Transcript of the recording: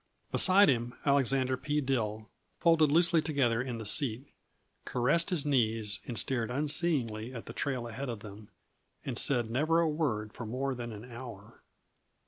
Beside him, Alexander P. Dill, folded loosely together in the seat, caressed his knees and stared unseeingly at the trail ahead of them and said never a word for more than an hour.